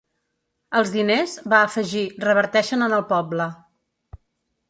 Els diners –va afegir– reverteixen en el poble.